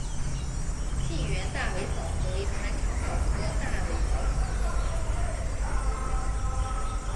近缘大尾蚤为盘肠蚤科大尾蚤属的动物。